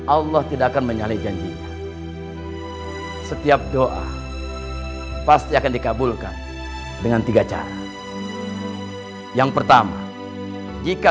allah tidak akan menyalai janjinya setiap doa pasti akan dikabulkan dengan tiga cara yang pertama jika